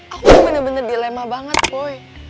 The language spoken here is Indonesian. aku bener bener dilema banget pokoknya